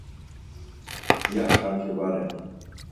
iya xarki va ren..